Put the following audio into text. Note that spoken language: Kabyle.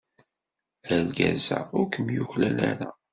Argaz-a ur kem-yuklal ara.